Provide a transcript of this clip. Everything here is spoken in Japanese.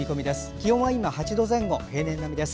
気温は今８度前後、平年並みです。